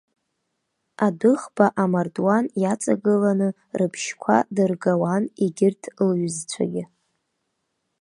Адәыӷба амардуан иаҵагыланы рыбжьқәа дыргауан егьырҭ лҩызцәагьы.